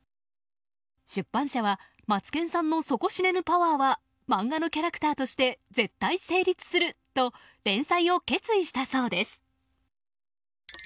出版社はマツケンさんの底知れぬパワーは漫画のキャラクターとして絶対成立すると連載を決意したそうです。